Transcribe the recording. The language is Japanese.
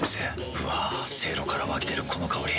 うわせいろから湧き出るこの香り。